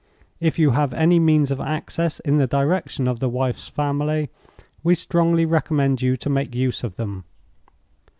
If you have any means of access in the direction of the wife's family, we strongly recommend you to make use of them.